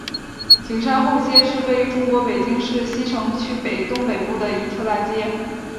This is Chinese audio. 景山后街是位于中国北京市西城区东北部的一条大街。